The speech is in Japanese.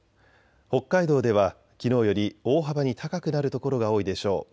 北海道ではきのうより大幅に高くなる所が多いでしょう。